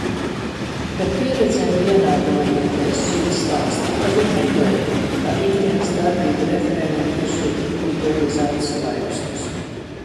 Bet, pieredzēm vienādojoties, zūd stāsti. Tagad meklēju, kā ikdienas darbību refrēniem piešķirt individualizētus vaibstus.